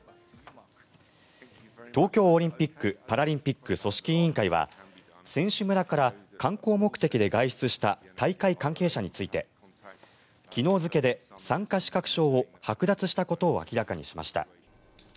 東京オリンピック・パラリンピック組織委員会は選手村から観光目的で外出した大会関係者について昨日付で参加資格証をはく奪したことを明らかにしました。